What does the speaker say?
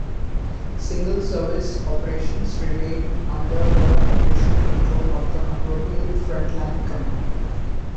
Single-service operations remain under the operational control of the appropriate front-line command.